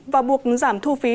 và buộc giảm thu phí